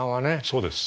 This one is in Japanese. そうです。